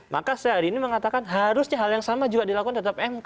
maka saya hari ini mengatakan harusnya hal yang sama juga dilakukan tetap mk